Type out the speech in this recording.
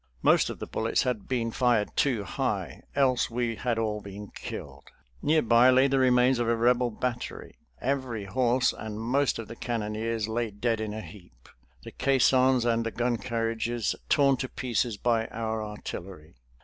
Most of the bullets had been fired too high, else we had all been killed. Near by lay the remains of a Rebel battery. Every horse and most of the cannoneers lay dead in a heap, the caissons and the gun carriages torn to pieces by our artillery.